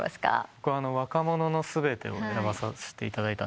僕は『若者のすべて』を選ばせていただいたんですけど。